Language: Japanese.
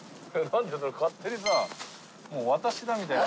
勝手にさ私だみたいな。